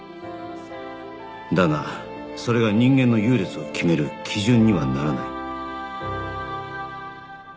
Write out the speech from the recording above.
だがそれが人間の優劣を決める基準にはならない